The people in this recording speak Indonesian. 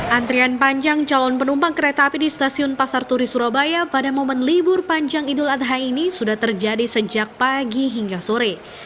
antrian panjang calon penumpang kereta api di stasiun pasar turi surabaya pada momen libur panjang idul adha ini sudah terjadi sejak pagi hingga sore